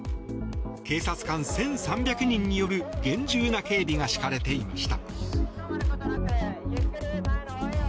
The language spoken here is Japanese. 警察官１３００人による厳重な警備が敷かれていました。